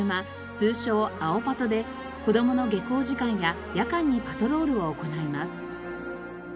通称青パトで子どもの下校時間や夜間にパトロールを行います。